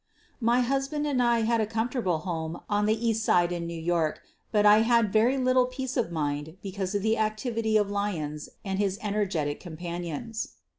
My husband and I had a comfortable home on the East Side in New York, but I had very little peace of mind because of the activities of Lyons and his energetic companions.